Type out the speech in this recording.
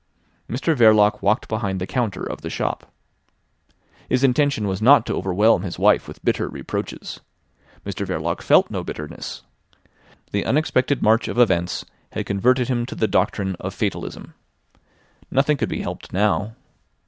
Mr Verloc walked behind the counter of the shop. His intention was not to overwhelm his wife with bitter reproaches. Mr Verloc felt no bitterness. The unexpected march of events had converted him to the doctrine of fatalism. Nothing could be helped now.